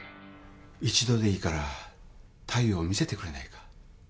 一度でいいから、太陽を見せてくれないか。